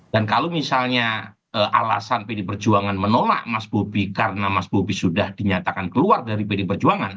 dan kalau misalnya alasan pdip perjuangan menolak mas bobi karena mas bobi sudah dinyatakan keluar dari pdip perjuangan